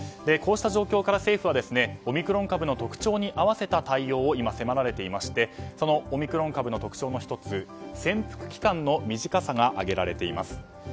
こうした状況から政府はオミクロン株の特徴に合わせた対応を迫られていましてそのオミクロン株の特徴の１つ潜伏期間の短さが挙げられています。